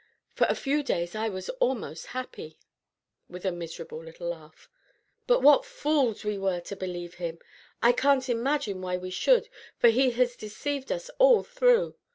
For a few days I was almost happy," with a miserable little laugh. "But what fools we were to believe him! I can't imagine why we should, for he has deceived us all through.